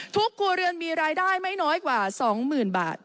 ครัวเรือนมีรายได้ไม่น้อยกว่า๒๐๐๐บาท